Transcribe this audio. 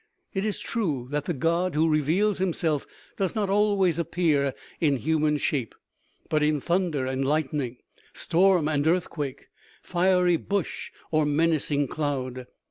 It is true that the God who reveals himself does not always appear in human shape, but in thunder and lightning, storm and earthquake, fiery bush or menacing cloud.